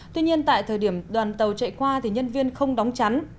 tuy nhiên tại thời điểm đoàn tàu chạy qua thì nhân viên không đóng chắn